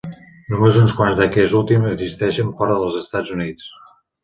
Només uns quants d'aquest últim existeixen fora dels Estats Units.